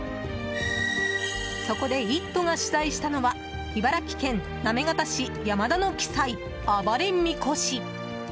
そこで「イット！」が取材したのは茨城県行方市山田の奇祭暴れみこし。